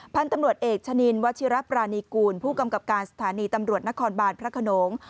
พันธุ์ตำรวจเอกชะนินวัชิระปรานีกูลผู้กำกับการสถานีตำรวจนครบานพระขนง